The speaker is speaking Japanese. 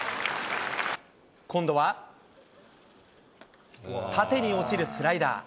今度は、縦に落ちるスライダー。